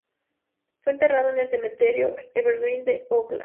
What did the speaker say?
Fue enterrado en el Cementerio Evergreen de Oakland.